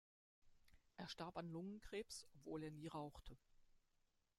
Er starb an Lungenkrebs, obwohl er nie rauchte.